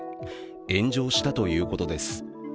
炎上したということです。